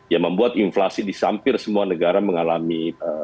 yang membuat inflasi di hampir semua negara mengalami